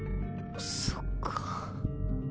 そっか。